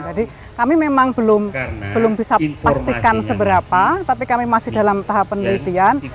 jadi kami memang belum bisa pastikan seberapa tapi kami masih dalam tahap penelitian